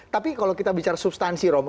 tapi kalau kita bicara substansi romo